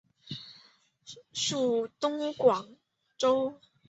属东广州。